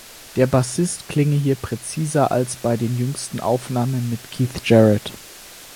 Der Bassist klinge hier präziser als bei den jüngsten Aufnahmen mit Keith Jarrett.